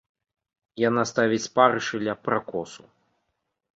Яна ставіць спарышы ля пракосу.